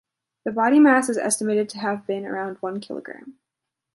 The body mass is estimated to have been around one kilogram.